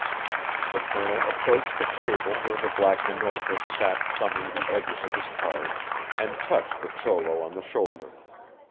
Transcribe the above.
The Colonel approached the table where the Black Minorca sat thumbing the edges of his cards, and touched the cholo on the shoulder.